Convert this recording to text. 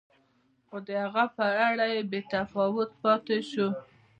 خو د هغه په اړه بې تفاوت پاتې شو.